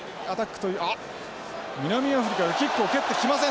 あっ南アフリカがキックを蹴ってきません！